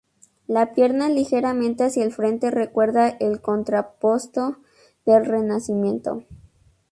La pierna ligeramente hacia el frente recuerda el Contrapposto del renacimiento.